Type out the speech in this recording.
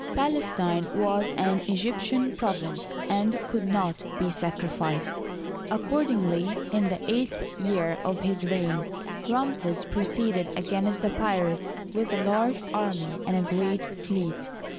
Palestine was an Egyptian province, and could not be sacrificed. Accordingly, in the eighth year of his reign, Ramses proceeded against the pirates with a large army and a great fleet.